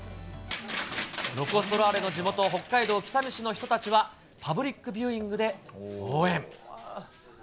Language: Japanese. ロコ・ソラーレの地元、北海道北見市の人たちは、パブリックビューイングで応援。